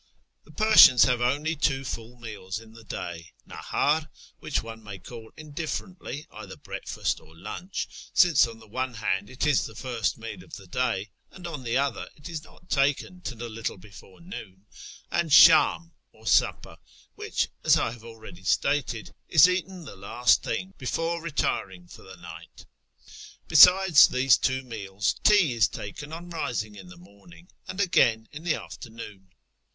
The Persians have only two full meals in the day — nahdr, which one may call indifferently either breakfast or lunch, since on the one hand it is the first meal of the day, and on the other it is not taken till a little before noon ; and slidiii, or supper, which, as I have already stated, is eaten the last thing before retiring for the night. Besides these two meals, tea is taken on risino; in the mornino and ac^ain in the after noon.